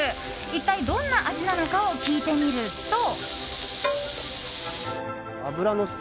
一体どんな味なのかを聞いてみると。